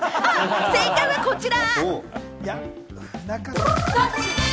正解はこちら。